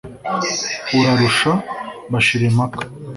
Urarusha, bashira impaka